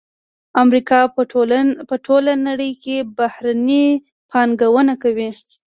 امریکا په ټوله نړۍ کې بهرنۍ پانګونه کوي